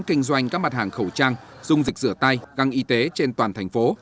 kinh doanh các mặt hàng khẩu trang dung dịch rửa tay găng y tế trên toàn thành phố